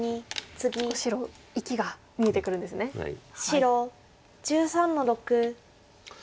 白１３の六。